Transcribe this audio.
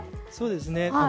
そうですね。